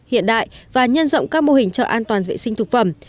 hiện đại và nhân rộng các mô hình chợ an toàn vệ sinh thực phẩm